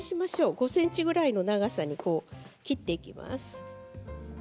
５ｃｍくらいの長さに切っていきます。